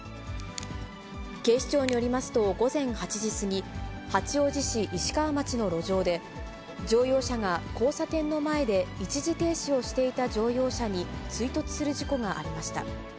警視庁によりますと午前８時過ぎ、八王子市石川町の路上で、乗用車が交差点の前で一時停止をしていた乗用車に追突する事故がありました。